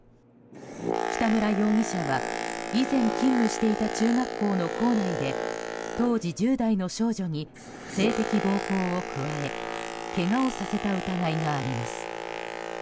北村容疑者は以前勤務していた中学校の校内で当時１０代の少女に性的暴行を加えけがをさせた疑いがあります。